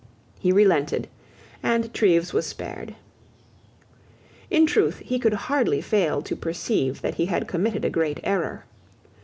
He relented: and Treves was spared, In truth he could hardly fail to perceive that he had committed a great error.